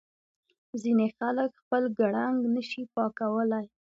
ځینې خلک خپل ګړنګ نه شي پاکولای.